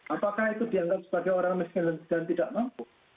apakah itu dianggap sebagai orang miskin dan tidak mampu